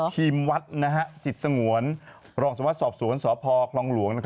ฮิมวัดสิทธิ์สงวนรองสมวัติสอบสวนสพครองหลวง